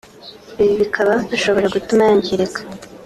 ibi bikaba bishobora gutuma yangirika